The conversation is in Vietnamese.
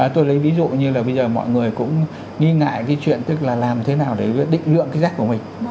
tôi lấy ví dụ như là bây giờ mọi người cũng nghi ngại cái chuyện tức là làm thế nào để định lượng cái rác của mình